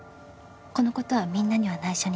このことはみんなにはないしょにしよう。